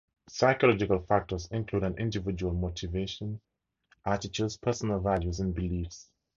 Psychological factors include an individual's motivation, attitudes, personal values and beliefs.